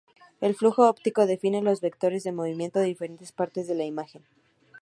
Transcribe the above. El flujo óptico define los vectores de movimiento de diferentes partes de la imagen.